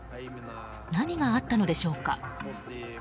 何があったのでしょうか。